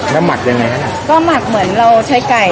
แล้วหมักยังไงฮะน่ะก็หมักเหมือนเราใช้ไก่